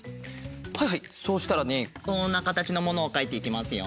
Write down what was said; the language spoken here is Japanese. はいはいそうしたらねこんなかたちのものをかいていきますよ。